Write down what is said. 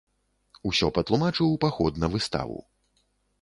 Усё патлумачыў паход на выставу.